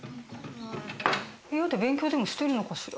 部屋で勉強でもしてるのかしら。